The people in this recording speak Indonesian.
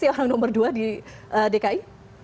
orang nomor dua di dki